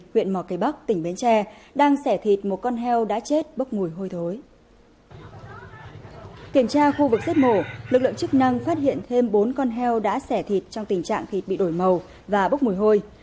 qua kiểm tra khu vực giết mổ lực lượng chức năng phát hiện thêm bốn con heo đã sẻ thịt trong tình trạng thịt bị đổi màu và bốc mùi hôi